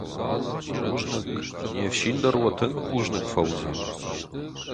Бузныг, не ’фсин дӕр уӕ тынг бузныг фӕуыдзӕн!